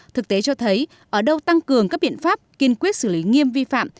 thực tế cho thấy ở đâu tăng cường các biện pháp kiên quyết xử lý nghiêm vi phạm